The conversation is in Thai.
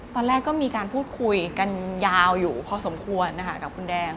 ตอนแรกก็มีการพูดคุยกันยาวอยู่พอสมควรนะคะกับคุณแดง